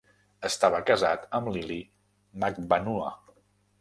Estava casat amb Lily Magbanua.